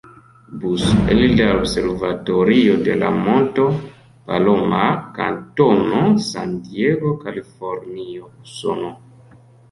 Bus elde la Observatorio de la Monto Palomar, kantono San Diego, Kalifornio, Usono.